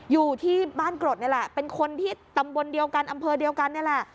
อยู่ที่บ้านกรดนี่แหละเป็นคนที่ตำบลเดียวกันอำเภอเดียวกันนี่แหละ